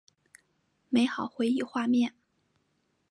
美好回忆画面